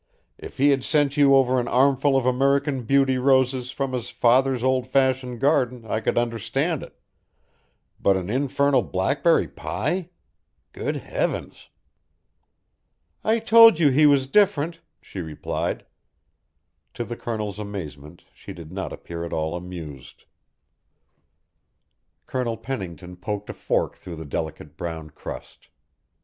If he had sent you over an armful of American Beauty roses from his father's old fashioned garden, I could understand it, but an infernal blackberry pie! Good heavens!" "I told you he was different," she replied. To the Colonel's amazement she did not appear at all amused. Colonel Pennington poked a fork through the delicate brown crust.